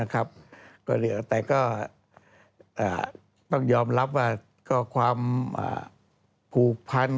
แต่ก็ต้องยอมรับว่าความผูกพันธ์